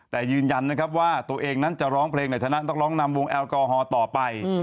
แต่ยืนยันนะครับว่าตัวเองนั้นจะร้องเพลงในฐานะนักร้องนำวงแอลกอฮอล์ต่อไป